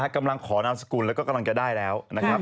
กำลังขอนามสกุลแล้วก็กำลังจะได้แล้วนะครับ